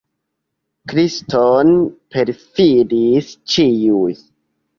Kriston perfidis ĉiuj.